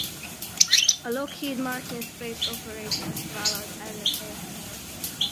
A Lockheed Martin Space Operations vállalt elnökhelyettese.